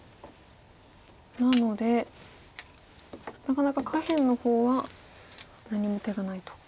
なのでなかなか下辺の方は何も手がないと。